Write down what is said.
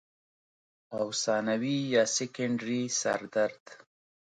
او ثانوي يا سيکنډري سردرد